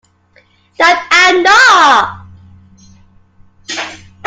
That I'm not!